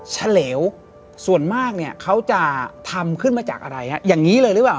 เฉลวส่วนมากเนี่ยเขาจะทำขึ้นมาจากอะไรฮะอย่างนี้เลยหรือเปล่า